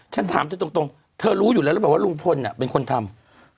ฉันถามจริงตรงเธอรู้อยู่แล้วนะว่าลุงพลอ่ะเป็นคนทำ